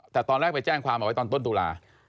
แต่ตอนแรกไปแจ้งความเอาไว้ตอนต้นตุลา